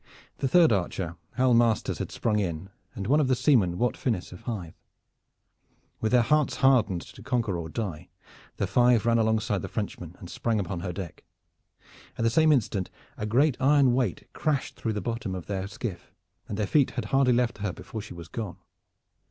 The third archer, Hal Masters, had sprung in, and one of the seamen, Wat Finnis of Hythe. With their hearts hardened to conquer or to die, the five ran alongside the Frenchman and sprang upon her deck. At the same instant a great iron weight crashed through the bottom of their skiff, and their feet had hardly left her before she was gone.